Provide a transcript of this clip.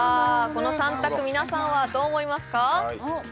この３択皆さんはどう思いますか？